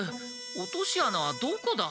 落とし穴はどこだ？